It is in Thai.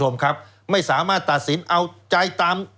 ไม่สามารถตัดสินเอาใจตาม